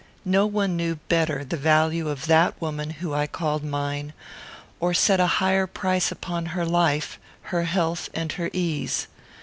No one knew better the value of that woman whom I called mine, or set a higher price upon her life, her health, and her ease.